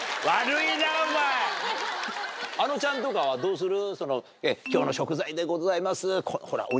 あのちゃんとかはどうする？